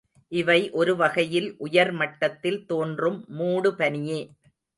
இவை ஒருவகையில் உயர்மட்டத்தில் தோன்றும் மூடுபனியே.